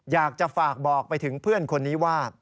อยากจะฝากบอกไปถึงเพื่อนคนนี้ว่า